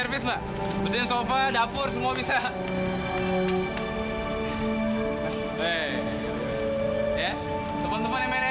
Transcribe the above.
di situ semuanya terbaca tepat jangan lelet